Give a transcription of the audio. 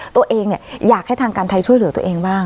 ตัวเองอยากให้ทางการไทยช่วยเหลือตัวเองบ้าง